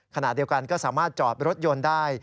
ขณะเดียวกันก็สามารถจอดรถยนต์ได้